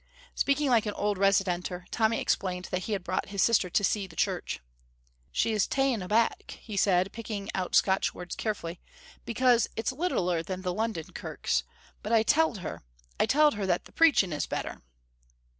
Speaking like an old residenter, Tommy explained that he had brought his sister to see the church, "She's ta'en aback," he said, picking out Scotch words carefully, "because it's littler than the London kirks, but I telled her I telled her that the preaching is better."